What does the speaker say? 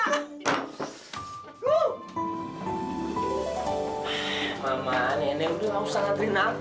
eh mama nenek udah gak usah ngaterin aku